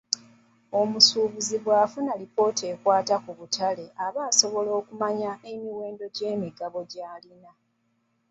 Omusuubuzi bw'afuna alipoota ekwata ku butale aba asobola okumanya emiwendo gy'emigabo gy'alina.